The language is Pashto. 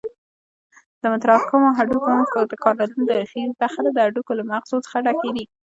د متراکمو هډوکو د کانالونو داخلي برخه د هډوکو له مغزو څخه ډکې دي.